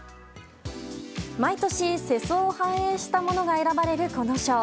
毎年世相を反映したものが選ばれるこの賞。